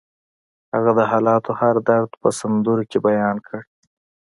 هغه د حالاتو هر درد په سندرو کې بیان کړ